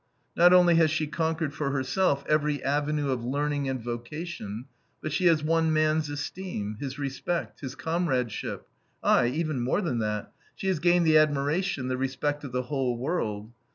Not only has she conquered for herself every avenue of learning and vocation, but she has won man's esteem, his respect, his comradeship; aye, even more than that: she has gained the admiration, the respect of the whole world.